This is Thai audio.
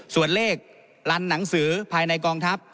ส่วนเลขลันหนังสือภายในกองทัพ